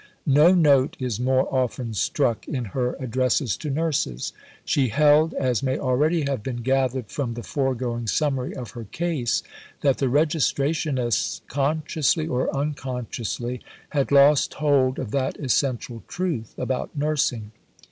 No note is more often struck in her Addresses to Nurses. She held, as may already have been gathered from the foregoing summary of her case, that the Registrationists, consciously or unconsciously, had lost hold of that essential truth about nursing.